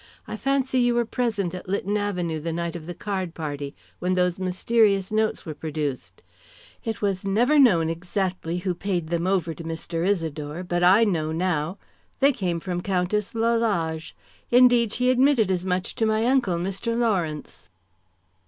I fancy you were present at Lytton Avenue the night of the card party when those mysterious notes were produced. It was never known exactly who paid them over to Mr. Isidore, but I know now. They came from Countess Lalage; indeed, she admitted as much to my uncle, Mr. Lawrence."